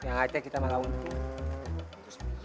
ya nanti kita malah untung